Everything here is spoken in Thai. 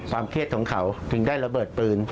เครียดของเขาถึงได้ระเบิดปืน